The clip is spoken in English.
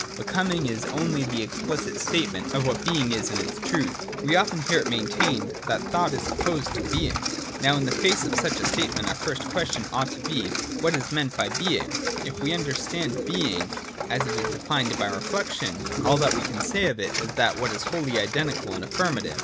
Becoming is only the explicit statement of what Being is in its truth. 1 68 THE DOCTRINE OF BEING. [88. We often hear it maintained that thought is opposed to being. Now in the face of such a statement, our first ques tion ought to be, what is meant by being. If we under stand being as it is defined by reflection, all that we can say of it is that it is what is wholly identical and affirmative.